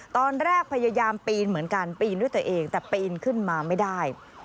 ตอนแรกพยายามปีนเหมือนกันปีนด้วยตัวเองแต่ปีนขึ้นมาไม่ได้